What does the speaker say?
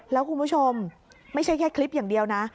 แล้วคุณผู้ชมไม่ใช่แค่คลิปอย่างเดียวนะ